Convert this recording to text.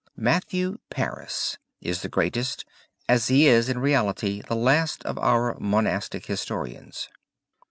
Matthew Paris is the greatest, as he is in reality the last of our monastic historians.